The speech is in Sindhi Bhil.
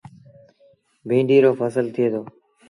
بيٚنڊيٚ رو ڦسل ٿئي دو۔